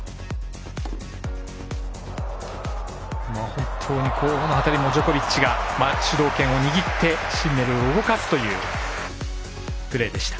本当にこの辺りもジョコビッチが主導権を握ってシンネルを動かすというプレーでした。